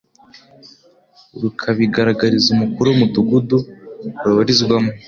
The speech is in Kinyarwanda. rukabigaragariza umukuru w'umudugudu rubarizwamo,